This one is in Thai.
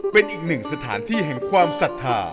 เป็นอีกหนึ่งสถานที่แห่งความศรัทธา